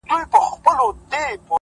اخلاص د باور ستنې نه پرېږدي،